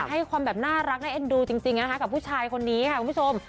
ให้ความแบบน่ารักน่าเอ็นดูจริงนะคะกับผู้ชายคนนี้ค่ะคุณผู้ชม